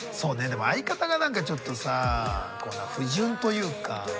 でも会い方が何かちょっとさ不純というか。